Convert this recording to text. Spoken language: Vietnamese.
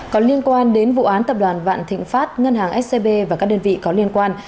có liên quan đến vụ án tập đoàn vạn thịnh pháp ngân hàng scb và các đơn vị có liên quan